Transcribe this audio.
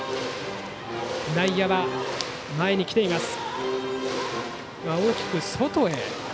内野は前に来ています。